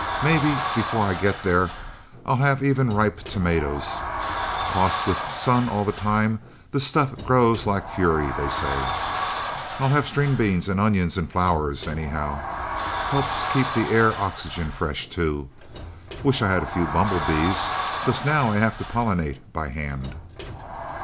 Maybe, before I get there, I'll have even ripe tomatoes! 'Cause, with sun all the time, the stuff grows like fury, they say. I'll have string beans and onions and flowers, anyhow! Helps keep the air oxygen fresh, too. Wish I had a few bumble bees! 'Cause now I'll have to pollenate by hand..."